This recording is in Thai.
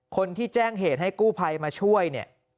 คนที่แจ้งเหตุให้กู้ภัยมาช่วยเนี่ย